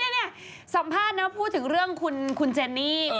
นี่สัมภาษณ์นะพูดถึงเรื่องคุณเจนี่